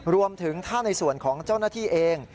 รวมถึงถ้าในส่วนของเจ้าหน้าที่เอง